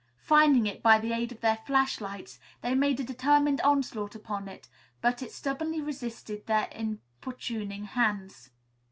Finding it by the aid of their flashlights, they made a determined onslaught upon it, but it stubbornly resisted their importuning hands.